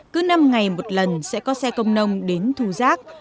cứ năm ngày một lần sẽ có xe công nông đến thu rác